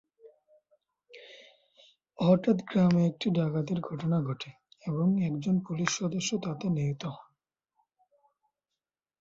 হঠাৎ গ্রামে একটি ডাকাতির ঘটনা ঘটে এবং একজন পুলিশ সদস্য তাতে নিহত হন।